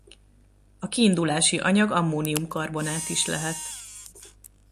A kiindulási anyag ammónium-karbonát is lehet.